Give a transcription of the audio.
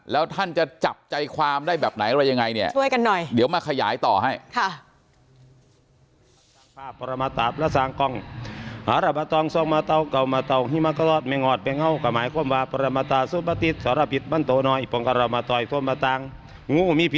แล้วท่านจะจับใจความได้แบบไหนอะไรยังไงเนี้ยช่วยกันหน่อย